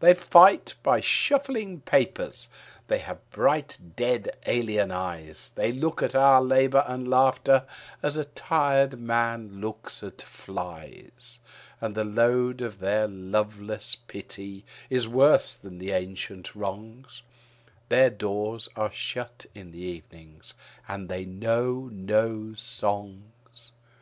They fight by shuffling papers; they have bright dead alien eyes; They look at our labour and laughter as a tired man looks at flies. And the load of their loveless pity is worse than the ancient wrongs, Their doors are shut in the evening; and they know no songs.